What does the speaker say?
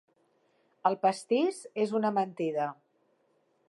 El pastís és una mentida.